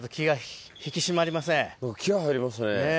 気合入りますね。